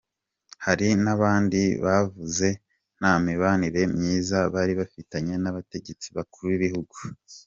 Hari n’abandi bavuze nta mibanire myiza bari bafitanye n’abategetsi bakuru b’igihugu.